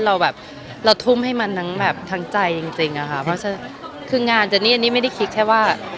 เราทุ่มให้มันทั้งใจจริงคืองานเจนนี่ไม่ได้คิดแค่ว่า